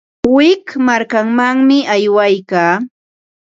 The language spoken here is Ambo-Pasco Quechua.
Wik markamanmi aywaykaa.